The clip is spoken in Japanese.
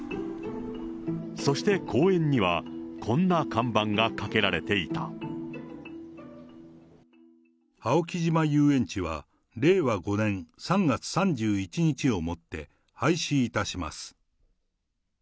そして公園にはこんな看板がかけ青木島遊園地は、令和５年３月３１日をもって廃止いたします。